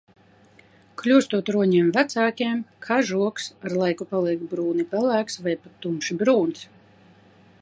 Kļūstot roņiem vecākiem, kažoks ar laiku paliek brūni pelēks vai pat tumši brūns.